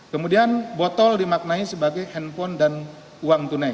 kemudian botol dimaknai sebagai handphone dan uang tunai